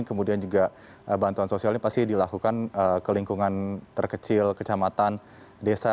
kemudian juga bantuan sosial ini pasti dilakukan ke lingkungan terkecil kecamatan desa